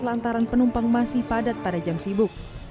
lantaran penumpang masih padat pada jam sibuk